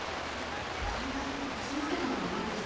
階段手すりつけたほうがいいですね。